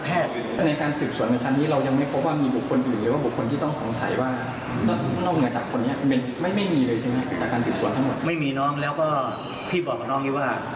อะไรยังไงเนี่ย